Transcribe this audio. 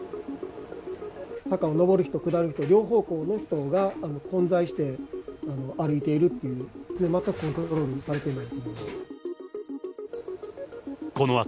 坂を上る人、下る人、両方向の人が混在して歩いているっていう、全くコントロールされていない。